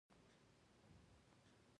باور د کاغذ په څېر دی.